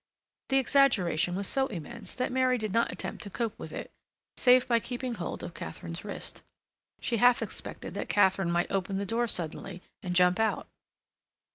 The exaggeration was so immense that Mary did not attempt to cope with it, save by keeping hold of Katharine's wrist. She half expected that Katharine might open the door suddenly and jump out.